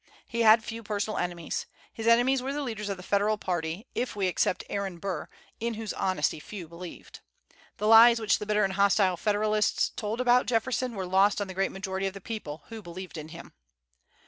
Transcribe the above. He had few personal enemies. His enemies were the leaders of the Federal party, if we except Aaron Burr, in whose honesty few believed. The lies which the bitter and hostile Federalists told about Jefferson were lost on the great majority of the people, who believed in him.